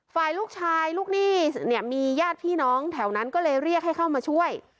ฝ่ายลูกชายลูกหนี้เนี่ยมีญาติพี่น้องแถวนั้นก็เลยเรียกให้เข้ามาช่วย